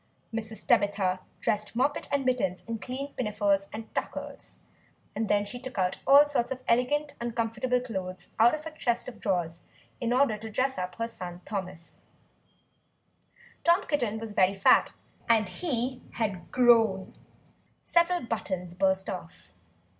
Mrs. Tabitha dressed Moppet and Mittens in clean pinafores and tuckers; and then she took all sorts of elegant uncomfortable clothes out of a chest of drawers, in order to dress up her son Thomas. Tom Kitten was very fat, and he had grown; several buttons burst off.